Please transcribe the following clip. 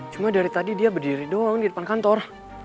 cuma dari tadi dia berdiri doang di depan kantor